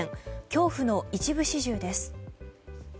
恐怖の一部始終です。